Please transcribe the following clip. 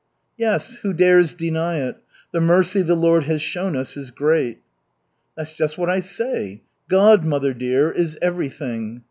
"Yes, who dares deny it? The mercy the Lord has shown us is great." "That's just what I say. God, mother dear, is everything.